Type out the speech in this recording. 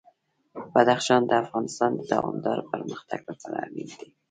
بدخشان د افغانستان د دوامداره پرمختګ لپاره اړین دي.